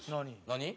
何？